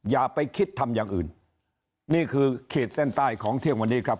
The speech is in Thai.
อย่าไปคิดทำอย่างอื่นนี่คือขีดเส้นใต้ของเที่ยงวันนี้ครับ